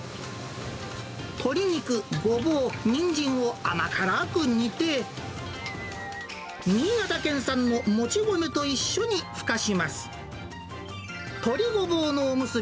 鶏肉、ゴボウ、ニンジンを甘辛く煮て、新潟県産のもち米と一緒にふかします。